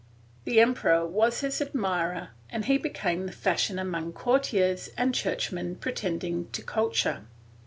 The emperor was his admirer and he became the fashion among courtiers and churchmen pretending to culture.